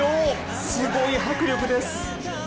すごい迫力です。